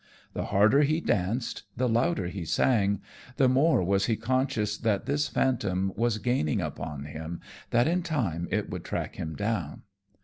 The harder he danced, the louder he sang, the more was he conscious that this phantom was gaining upon him, that in time it would track him down.